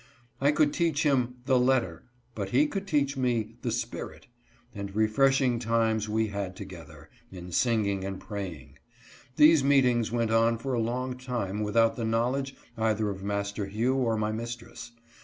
I could teach him "the letter," but he could teach me "the spirit," and refreshing times we had together, in singing and praying. These meetings went on for a long time without the knowledge either of Master Hugh or my mistress.